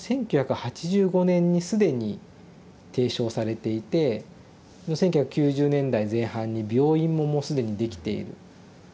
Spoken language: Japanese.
１９８５年に既に提唱されていて１９９０年代前半に病院ももう既にできている。